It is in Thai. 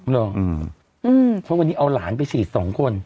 เพราะวันนี้เอาหลานไปฉีดสองคน